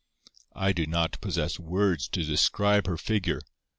I do not possess words to describe her figure.